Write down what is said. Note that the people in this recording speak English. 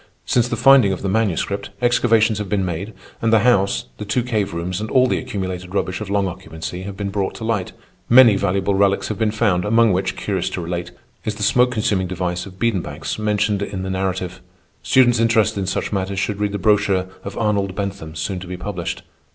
Since the finding of the Manuscript excavations have been made, and the house, the two cave rooms, and all the accumulated rubbish of long occupancy have been brought to light. Many valuable relics have been found, among which, curious to relate, is the smoke consuming device of Biedenbach's mentioned in the narrative. Students interested in such matters should read the brochure of Arnold Bentham soon to be published.